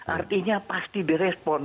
artinya pasti di respon